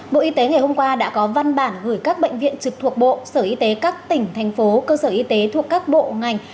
bộ y tế ngày hôm qua đã có văn bản gửi các bệnh viện trực thuộc bộ sở y tế các tỉnh thành phố cơ sở y tế thuộc các bộ ngành